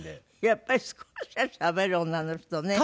やっぱり少しはしゃべる女の人ね。